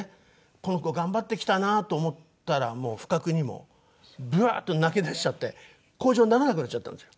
この子頑張ってきたなと思ったらもう不覚にもブワーッと泣き出しちゃって口上にならなくなっちゃったんですよ。